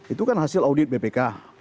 itu kan hasil audit bpk